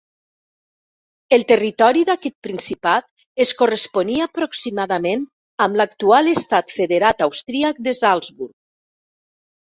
El territori d'aquest principat es corresponia aproximadament amb l'actual estat federat austríac de Salzburg.